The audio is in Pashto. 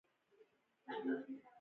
رئیس جمهور خپلو عسکرو ته امر وکړ؛ پاک!